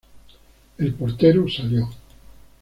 El portero salió.